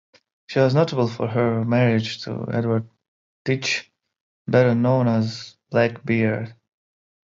She was notable for her marriage to Edward Teach, better known as Blackbeard.